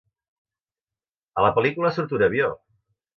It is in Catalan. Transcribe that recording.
A la pel·lícula surt un avió!